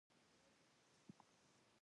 د هغه د هڅو ارزښت تر پیسو ډېر لوړ و.